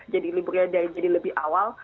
jadi liburnya jadi lebih awal